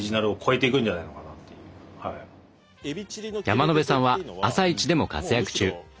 山野辺さんは「あさイチ」でも活躍中。